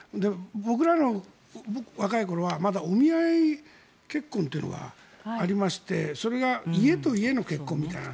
僕らの若い頃はまだお見合い結婚というのがありましてそれが家と家の結婚みたいな。